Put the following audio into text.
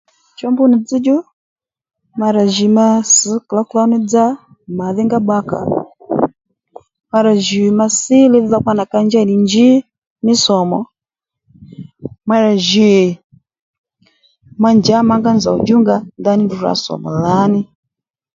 Cho mbu nì dzzdjú ma rà jì ma sš klǒw klǒw ní dza màdhínga bbakàó ma rà jì ma sí li dhokpa nà ka njey nì njí mí sòmò ma rà jì ma njǎ màtsángá nzòw djúnga fú ndrǔ rǎ sòmù ò lǎní